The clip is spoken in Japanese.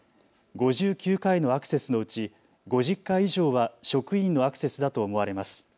５９回のアクセスのうち５０回以上は職員のアクセスだと思われます。